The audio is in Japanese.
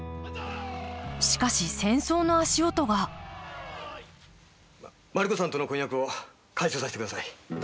しかし戦争の足音がマリ子さんとの婚約を解消させてください。